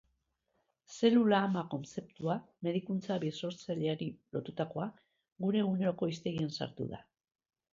Zelula ama kontzeptua, medikuntza birsortzaileari lotutakoa, gure eguneroko hiztegian sartu da.